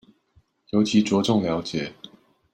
尤其著重了解